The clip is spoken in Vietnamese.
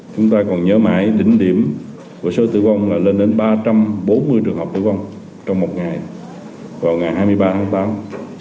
chúng ta còn nhớ mãi đỉnh điểm của số tử vong là lên đến ba trăm bốn mươi trường hợp tử vong trong một ngày vào ngày hai mươi ba tháng tám